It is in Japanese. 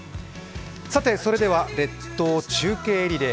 それでは、列島中継リレー